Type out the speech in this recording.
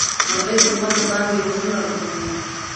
مرغۍ په ځمکه باندې وزرونه رپول.